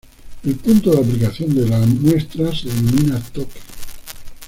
El punto de aplicación de la muestra se denomina toque.